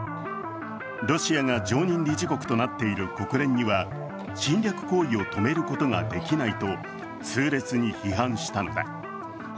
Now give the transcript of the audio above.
ロシアが常任理事国となっている国連には侵略行為を止めることはできないと痛烈に批判したのだ。